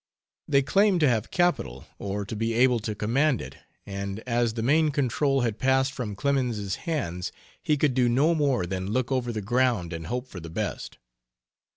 They claimed to have capital, or to be able to command it, and as the main control had passed from Clemens's hands, he could do no more than look over the ground and hope for the best.